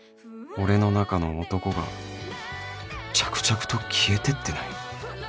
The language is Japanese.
俺の中の男が着々と消えてってない？